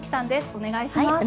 お願いします。